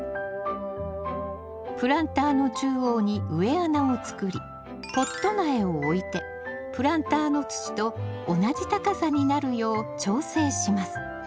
プランターの中央に植え穴を作りポット苗を置いてプランターの土と同じ高さになるよう調整します。